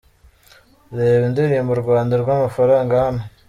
Reba indirimbo u Rwanda rw'amafaranga hano:.